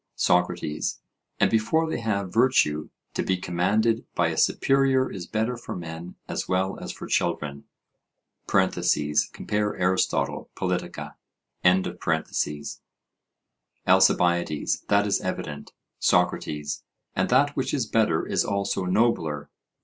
SOCRATES: And before they have virtue, to be commanded by a superior is better for men as well as for children? (Compare Arist. Pol.) ALCIBIADES: That is evident. SOCRATES: And that which is better is also nobler?